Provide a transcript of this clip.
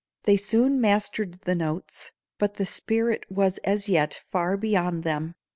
They soon mastered the notes, but the spirit was as yet far beyond them.